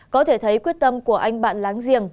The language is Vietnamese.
có thể thấy quyết tâm của anh bạn láng giềng